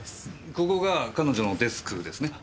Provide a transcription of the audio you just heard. ここが彼女のデスクですね？